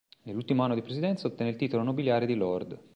Nell'ultimo anno di presidenza ottenne il titolo nobiliare di Lord.